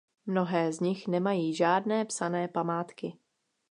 Mnohé z nich nemají žádné psané památky.